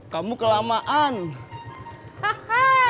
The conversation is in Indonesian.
saat ga ketemu fitbil